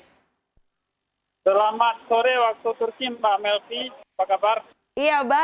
selamat sore waktu turki mbak melvi apa kabar